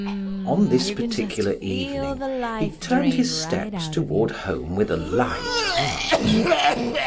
On this particular evening he turned his steps toward home with a light heart.